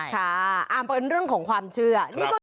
ค่ะเป็นเรื่องของความเชื่อ